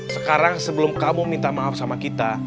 sekarang sebelum kamu minta maaf sama kita